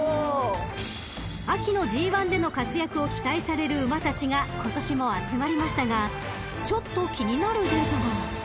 ［秋のＧⅠでの活躍を期待される馬たちが今年も集まりましたがちょっと気になるデータが］